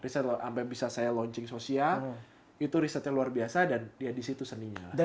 sampai bisa saya launching sosia itu risetnya luar biasa dan di situ seninya